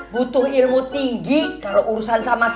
butuh ilmu tinggi kalo urusan sama si ipa